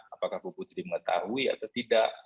apakah bu putri mengetahui atau tidak